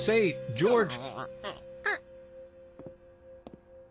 ジョージ。